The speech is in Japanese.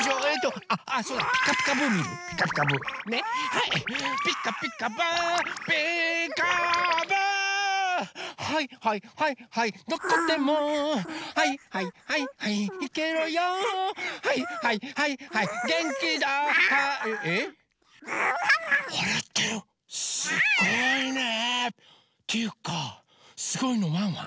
っていうかすごいのワンワン？